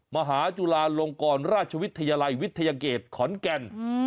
มหาจุฬาลงกรราชวิทยาลัยวิทยาเกตขอนแก่น